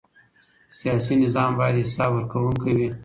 سیاسي نظام باید حساب ورکوونکی وي